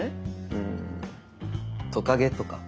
うんトカゲとか？